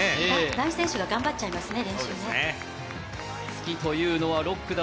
大選手が頑張っちゃいますね。